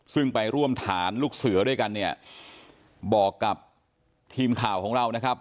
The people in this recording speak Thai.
ซึ่งไปร่วมฐานลูกเสือด้วยกันเนี่ยบอกกับทีมข่าวของเรานะครับ